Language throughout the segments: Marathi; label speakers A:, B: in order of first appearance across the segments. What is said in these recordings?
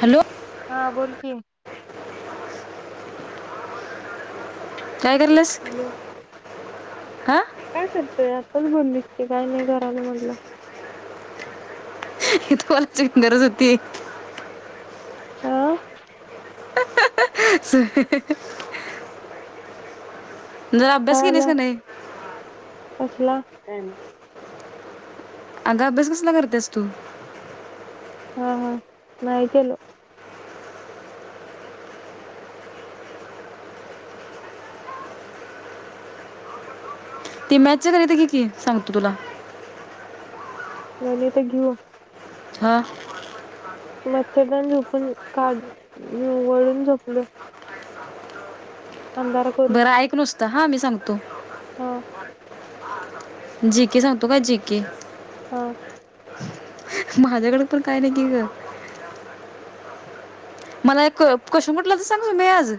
A: हॅलो.
B: हा बोल की.
A: काय करतेस.
B: हॅलो काय करतोय आताच बोललीस काय नाही करायल म्हणून
A: कॉल चेक करत होती.
B: हा.
A: स. जरा अभ्यास
B: काय
A: केलीस का
B: आला
A: नाही?
B: कसला?
A: अग अभ्यास कसला करतेस तू?
B: हा हा नाही केलो.
A: ती मॅचच गणित घे की सांगतो तुला.
B: गणित घेऊ.
A: हा.
B: मच्छरदान झोपून काढ वळून झोपलोय. अंधार करून
A: बरं ऐक नुसत हा मी सांगतो.
B: हां.
A: जीके सांगतो काय जीके.
B: हा.
A: माझ्याकड पण काय नाही कि ग. मला एक क्वेस्शन कुठलं तर सांग मी आज.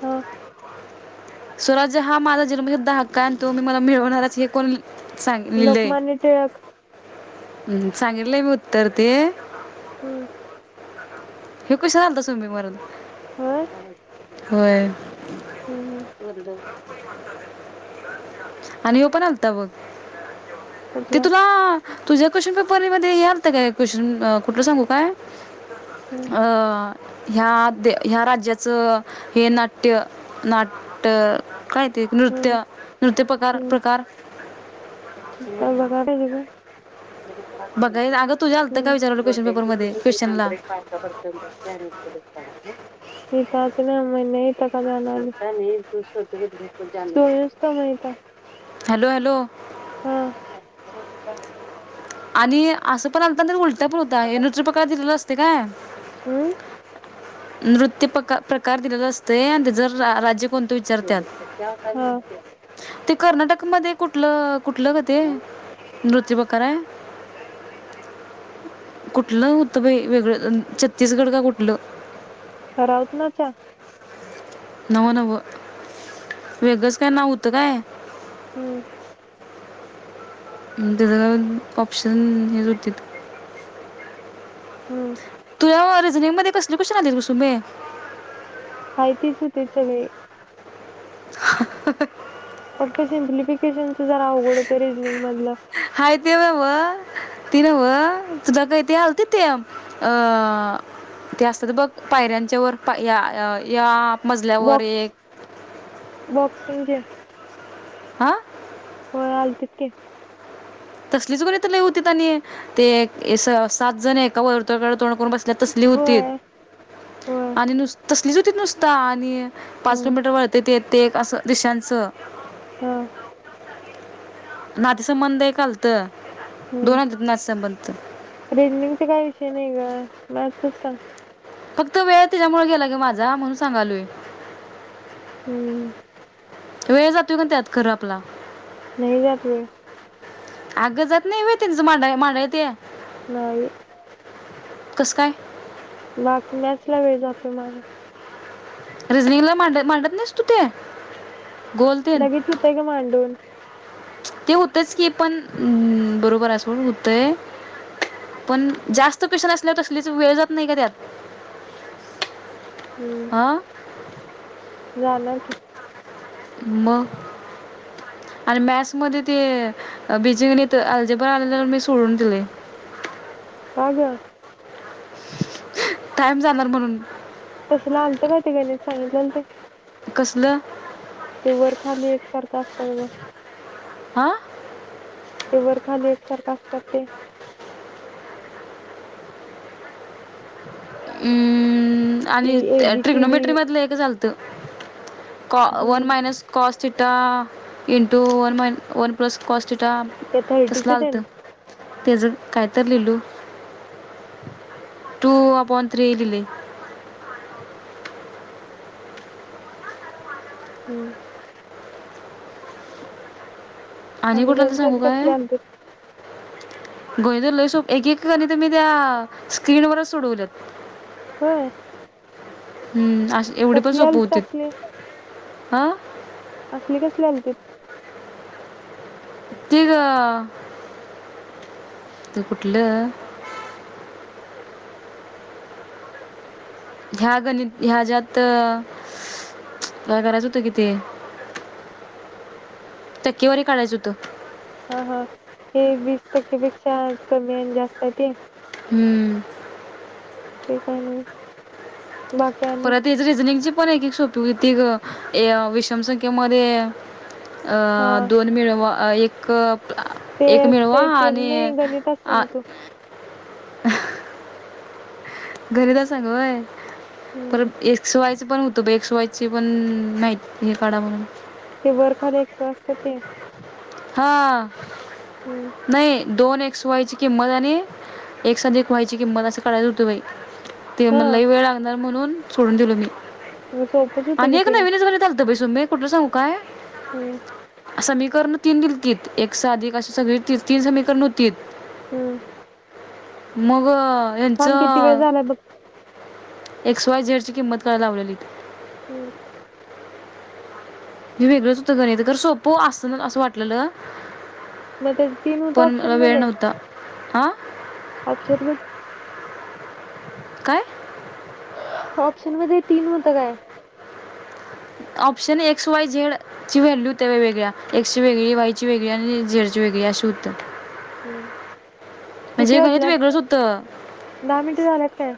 B: ह.
A: स्वराज्य हा माझा जन्मसिद्ध हक्क आहे आणि तो मी मला मिळवणारच हे कोण. सांग लिहिलंय
B: लोकमान्य टिळक.
A: हम्म सांगितलंय मी उत्तर ते.
B: हम्म.
A: हे क्वेशण आलता सुमे परत
B: होय
A: होय.
B: [unintelligible]
A: आणि ह्यो पण आलता बघ ते
B: कुठला
A: तुला. तुझ्या क्वेशन पेपर मध्ये हे आलात काय क्वेशन कुठलं सांगू काय.
B: हम्म
A: अ... ह्या ह्या राज्याचं हे नाट्य नाट्य काय? ते
B: हम्म
A: नृत्य नृत्य प्रकार
B: हम्म
A: प्रकार
B: काय बघायला पाहिजे ग.
A: बघायला अगं तुझ्या आलतं काय विचारलं क्वेश्चन
B: [unintelligible]
A: पेपरमध्ये क्वेश्चनला
B: [unintelligible] [unintelligible] [unintelligible]
A: हॅलो हॅलो
B: हम
A: आणि असं पण आलता त उलटा पण होता ए नूट रुपयया दिलेला असते काय?
B: हम
A: नृत्य प्र प्रकार दिलेला असते आणि जर राज्य कोणत विचारत्यात ते कर्नाटकमध्ये. कुठलं कुठलं ग ते नृत्य प्रकार आहे? कुठलं होतं बाई वेगळं छत्तीसगड का कुठलं.
B: [unintelligible]
A: नव्ह नव्ह वेगळंच काय नाव होतं काय.
B: हम्म
A: त्याच ऑप्शन हेच होतित.
B: हम्म
A: ती नव्ह रिझनिंग मध्ये कसले क्वेशन आले ग सुमे.
B: हाय तिचं होती सगळे.
A: ह्या हहहह
B: फक्त सिम्प्लिफिकेशनच जरा अवघड होतं रिजनिंग मधलं.
A: हायती ति नव्ह ती नव्ह तुझ काय ते अलती ते अ ते असतात बघ पायऱ्यांच्या वर या या या मजल्यावर एक
B: बॉक्स बॉक्सिंगचे
A: आा
B: व्हय अलतीत की
A: तसलीच गणित लय होतीत आणि ते सात जण एका वर्तुळकडे तोंड करून बसलेल. तसली होती
B: होय होय
A: आणि नुस तसलीच होती नुसता आणि पाच
B: हम्म
A: किलोमीटर वळते ते-ते एक अस दृशाचं
B: हं.
A: नाते संंबंध ऐक आलंत, दोन आलंत नाते-संबंधचं.
B: रेंजिंगचे काय विषय नाही गं, मॅसेज सांग
A: फक्त वेळ त्याच्यामुळं गेला गं माझा, म्हणून सांगालोय.
B: हम्म.
A: वेळ जातोय पण त्यात खरं आपला.
B: नई जात वेळ.
A: अगं जात नई व्हय त्यांचं मांडाय-मांडाया त्या.
B: नाई.
A: [inaudible] कसं काय?
B: बाकी मॅच लावली जाते माला.
A: रीजनिंगला मांडा- मांडत नसतो त्या, गोल ते
B: लगेच होतय गं मांडून.
A: ते होतच की, पण बरोबर असं होतय. पण जास्त स्पेशल असल्यावर, तसलीच वेळ जात नही का त्यात?
B: ह्म.
A: अं
B: जाणार का?
A: मं. अनं मॅक्स मध्ये ते बीजिंग अणि ते अल्जेर पण आलेला मी सोडून दिले.
B: का गं?
A: टाईम जाणार म्हणून.
B: तसंल आलंत का ते गणित सांगितलं न ते.
A: कसलं?
B: ते वर खाली एकसारखं असतात गं.
A: आं.
B: ते वर खाली एकसारखं असतात ते.
A: हम्म
B: ती
A: आणि
B: ए बी सी डी
A: ट्रिग्नोमेट्रीमधलं एकचं आल कॉ वन
B: हम्म
A: minus cos theta into one माय वन प्लस कॉस्ट थिटा
B: ते
A: तसलं
B: थर्टीचे
A: आलंत.
B: तेन
A: तेज काय तरी लिहिलू, टू अपॉन थ्री लिहिली.
B: ह्म.
A: आणि कुठंला ते सांगू
B: गणितात
A: काय?
B: कसले आलतीत
A: गणित लय सोप एक-काणी मी तर त्या स्क्रीनवरच सोडवल्यात.
B: व्हय.
A: हम्म, आशी एवढी पण सोप होतीत, हा.
B: असली कसली आलतीत?
A: ती गं, ते कुठलं? ह्या आणि ह्या ज्यात बाय बऱ्याच होतं कि ते, टक्केवारी काढायचं होतं.
B: हं-हं, हे वीस टक्केपेक्षा कमी आणि जास्त हेत ते?
A: हम्म.
B: ते काय नई.
A: परत त्याची रिजनिंगची पण एक सोपी होती ग, विषम संख्येमध्ये अ
B: हा
A: दोन मिळवा, एक आ
B: ते
A: एक मिळवा
B: ते तेच
A: आणि
B: नाही
A: अ
B: गणितच
A: आ
B: सांग तू
A: घरी जा सांग होय.
B: हम्म
A: परत एक्स, वायचं पण होतं ब एक्स वायची पण नाही हे काढा म्हणून
B: ते वर खाली एक्स व असत्यात ते?
A: हां
B: हम्म
A: नाही दोन एक्स, वायची किंमत आणि एक्स अधिक वायची किंमत असं काढायच हुतं बाई. ते म
B: हा
A: लई वेळ लागणार म्हणून सोडून दिलो मी
B: मग सोपंच होतं
A: आणि
B: कि
A: एक
B: ते.
A: नवीनच गणित आल त बे सुनमे कुठं ल सांगू काय?
B: हम्म
A: समीकरण तीन दिलतीत, एक्स आधिक अशी सगळे तीन समीकरण हुतीत.
B: हम्
A: मग
B: थांब किती वेळ
A: हेचं
B: झालाय बघ.
A: एक्स, वाय, झेडची किंमत काढाय लावलेली.
B: हम्म
A: हे वेगळंच होतं गणित, खरं सोपं आसल आसं वाटलेल.
B: मग ते तीन होतं
A: पण मला
B: ऑप्शन
A: वेळ
B: मध्ये.
A: नव्हता. आ
B: ऑप्शन वन
A: काय?
B: ऑप्शन मध्ये तीन होतं काय?
A: ऑप्शन एक्स, वाय, झेड ची व्हॅल्यू हुत्या वेगवेगळ्या, एक्सची वेगळी, वायची वेगळी आणि झेडची वेगळी अशी हूत्या.
B: हम्म किती
A: म्हणजे गणित
B: वाजल्यात?
A: वेगळचं हुतं.
B: दहा मिनटं झाल्यात काय?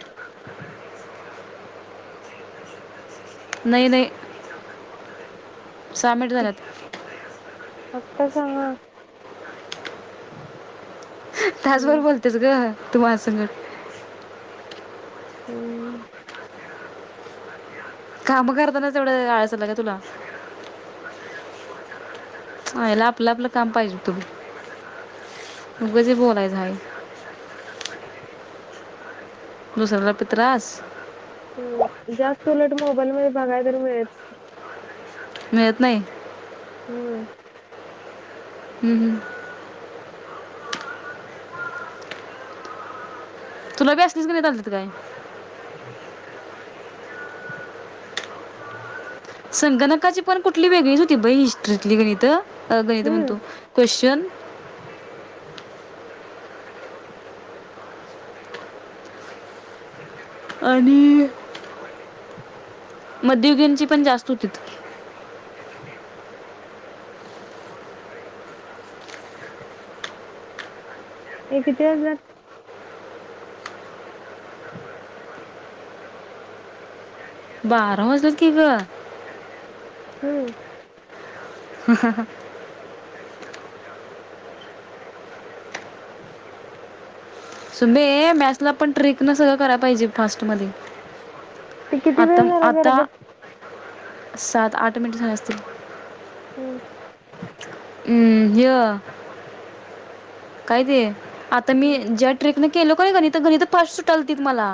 A: नाही, नाही साहा मिनिटं झाल्यात.
B: किती आत्ता सहा?
A: तासभर
B: हम्म
A: बोलतेस ग तू माझं संगट
B: हम्म
A: काम करतानाच एवढं आळस आला का तुला. आयला आपलं, आपलं काम पाहिजे हुतं बघ. उगच हे बोलायचय हाय. दुसऱ्याला पे त्रास
B: हम जास्त उलट मोबाईल मध्ये बघाय तर मिळत
A: मिळत नाही?
B: हम्म
A: ह हम तुला बी असलीच गणितं आलतीत काय? संगणकाची पण कुठली वेगळीच होती बाई हिस्ट्रीतली गणित, गणित
B: हम्म
A: म्हणतो क्वेशन. आणि मध्ययुगंची पण जास्त हुतीत.
B: ए किती वाजल्यात?
A: बारा! वाजल्यात कि ग.
B: हम्म
A: [inaudible] ह ह ह शुभे मॅथ्सला पण ट्रिक न सगळं कराय पाहिजे फास्ट मध्ये.
B: ते किती वेळ
A: आता
B: झाला जरा
A: आता,
B: बघ.
A: सात, आठ मिनिट झाले असतील.
B: हम्म.
A: ऊ ह्य. काय ते आता मी
B: हम्म
A: ज्या ट्रिक नं केलो क नाय गणीत, गणीत फास्ट सुटालतील मला.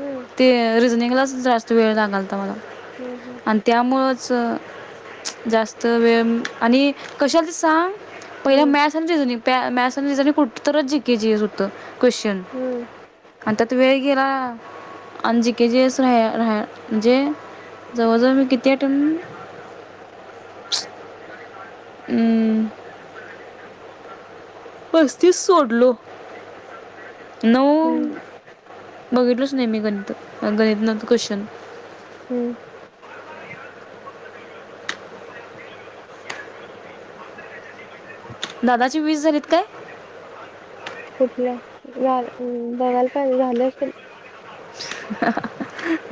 B: हम्म
A: ते रिजनिंगलाच जास्त वेळ लागालता मला.
B: हम् हम्.
A: आणि त्यामुळंच जास्त वेळ, आणि कशाला ते सांग? पहिल
B: हम्म
A: मॅथ्स [unintelligible] क्वेश्चन.
B: हम्म.
A: आणी त्यात वेळ गेला. आणि जी के चे [unintelligible] म्हणजे जवळजवळ मी किती ॲटम ऊ. हुं. पस्तीस सोडलो. नऊ
B: हम्म
A: बघितलच नाही मी गणित. गणित [unintelligible] क्वेश्चन.
B: हम्म.
A: दादाची वीस झालीत काय?
B: कुठल्या? झाल, ऊ बघायला पाहिेजे, झाले असतील.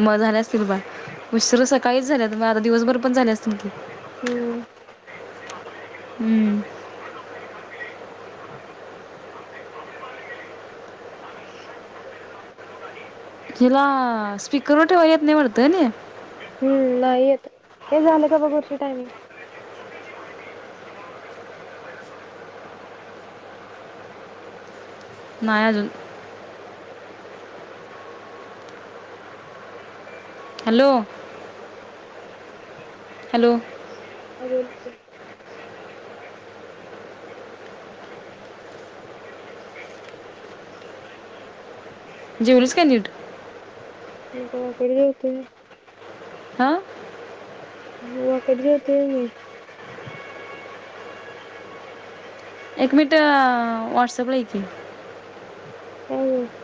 A: म झाले असतील [unintelligible] उशीर सकाळीच झाल्यात म आता दिवसभर पण झाले असतील की.
B: हम्म.
A: हम्म. जिला स्पीकरवर ठेवाय येत नाही वाटतं [unintelligible]
B: हम् नाही येत, हे झालं का बघ [unintelligible] टायमिंग.
A: नाही अजून. हॅलो! हॅलो!
B: हा बोल की.
A: जेवलीस काय नीट?
B: मी [unintelligible] पडले होते.
A: हा.
B: [unintelligible] जेवतेय मी.
A: एक मिनिट व्हॉट्सॲप ये की.
B: [unintelligible]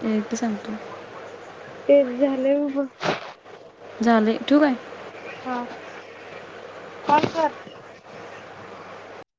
A: [unintelligible] सांगतो.
B: तेच झालंय उभं.
A: झाले. ठेऊ काय?
B: हा, कॉल कर.